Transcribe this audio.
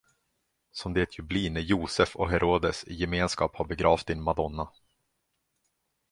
Som det ju blir när Josef och Herodes i gemenskap har begravt din madonna.